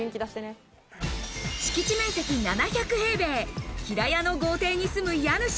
敷地面積の７００平米、平屋の豪邸に住む家主。